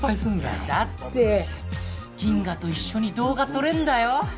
いやだってギンガと一緒に動画撮れんだよ